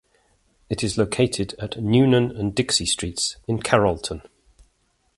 It is located at Newnan and Dixie Streets in Carrollton.